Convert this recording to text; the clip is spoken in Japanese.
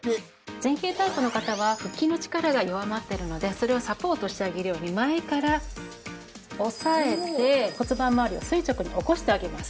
前傾タイプの方は腹筋の力が弱まってるのでそれをサポートしてあげるように前から押さえて骨盤まわりを垂直に起こしてあげます。